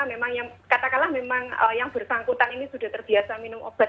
memang yang katakanlah memang yang bersangkutan ini sudah terbiasa minum obat